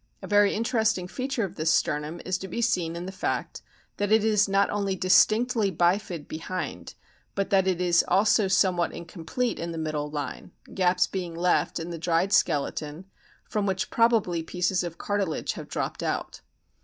A very interesting feature of this sternum is to be seen in the fact thfat it is not only distinctly bifid behind, but that it is also somewhat incomplete in the middle line, gaps being left in the dried skeleton from which probably pieces of cartilage have dropped out.